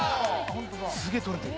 すげえ取れてる。